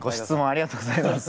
ありがとうございます。